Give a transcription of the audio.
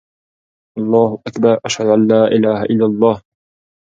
اللهاکبر، اشهدان الاله االاهلل